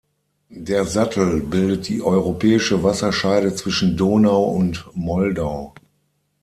Der Sattel bildet die europäische Wasserscheide zwischen Donau und Moldau.